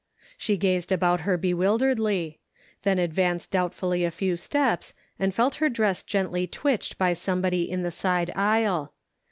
She gazed about her bewilderedly. Then advanced doubtfully a few steps, and felt her dress gently twitched by somebody in the side aisle.